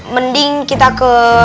mending kita ke